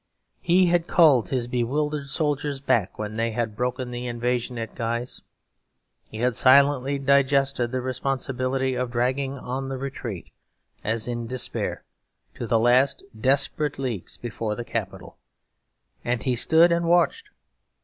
He had called his bewildered soldiers back when they had broken the invasion at Guise; he had silently digested the responsibility of dragging on the retreat, as in despair, to the last desperate leagues before the capital; and he stood and watched.